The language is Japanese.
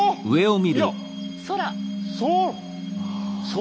空。